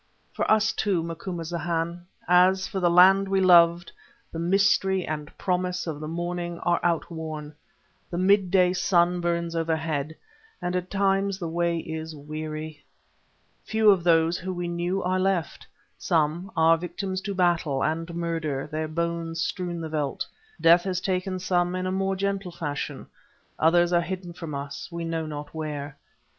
For us too, Macumazahn, as for the land we loved, the mystery and promise of the morning are outworn; the mid day sun burns overhead, and at times the way is weary. Few of those we knew are left. Some are victims to battle and murder, their bones strew the veldt; death has taken some in a more gentle fashion; others are hidden from us, we know not where.